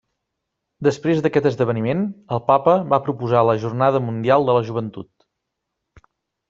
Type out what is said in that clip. Després d'aquest esdeveniment, el Papa va proposar la Jornada Mundial de la Joventut.